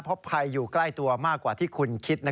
เพราะภัยอยู่ใกล้ตัวมากกว่าที่คุณคิด